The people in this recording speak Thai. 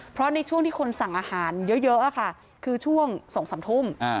เพราะในช่วงที่คนสั่งอาหารเยอะค่ะคือช่วง๒๓ทุ่ม